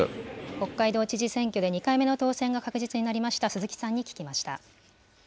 北海道知事選挙で２回目の当選が確実になりました鈴木さんに聞きました。